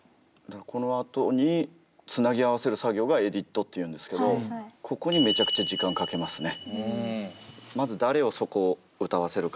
このあとにつなぎ合わせる作業がエディットっていうんですけどここにまずそこはかなりこだわってますね。